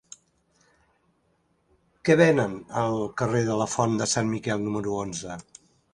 Què venen al carrer de la Font de Sant Miquel número onze?